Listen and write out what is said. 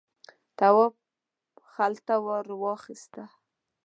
تواب خلته ور واخیسته.